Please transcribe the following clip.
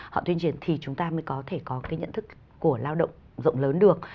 họ tuyên truyền thì chúng ta mới có thể có cái nhận thức của lao động rộng lớn được